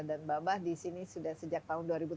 dan babah disini sudah sejak tahun dua ribu tujuh belas